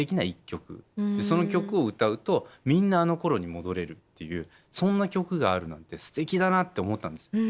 その曲を歌うとみんなあのころに戻れるっていうそんな曲があるなんてすてきだなって思ったんですよ。